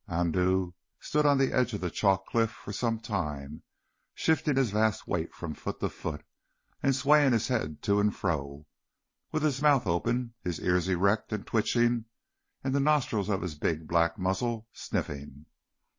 Andoo stood on the edge of the chalk cliff for some time, shifting his vast weight from foot to foot, and swaying his head to and fro, with his mouth open, his ears erect and twitching, and the nostrils of his big, black muzzle sniffing.